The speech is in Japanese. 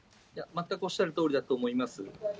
全くおっしゃるとおりだと思います。